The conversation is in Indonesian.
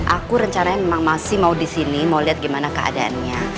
aku rencananya memang masih mau di sini mau lihat gimana keadaannya